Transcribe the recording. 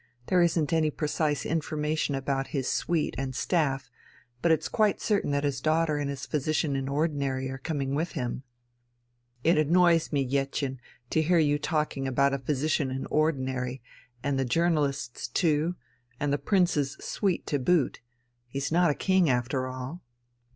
There isn't any precise information about his suite and staff, but it's quite certain that his daughter and his physician in ordinary are coming with him." "It annoys me, Jettchen, to hear you talking about a 'physician in ordinary' and the journalists, too, and the Prince's suite to boot. He's not a king, after all."